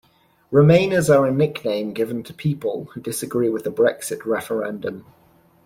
Remainers are a nickname given to people who disagree with the Brexit referendum.